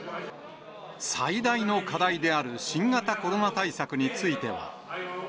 最大の課題である新型コロナ対策については。